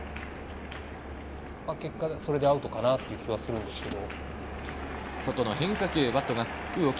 結果それでアウトかなという気はするんですけど。